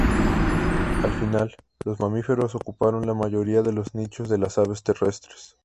Al final, los mamíferos ocuparon la mayoría de los nichos de las aves terrestres.